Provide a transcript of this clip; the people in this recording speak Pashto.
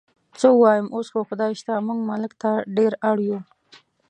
څه ووایم، اوس خو خدای شته موږ ملک ته ډېر اړ یو.